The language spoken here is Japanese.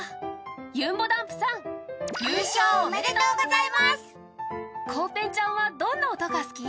ゆんぼだんぷさん、優勝おめでとうございますコウペンちゃんはどんな音が好き？